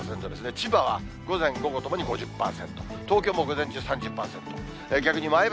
千葉は午前、午後ともに５０％、東京も午前中３０％、逆に前橋、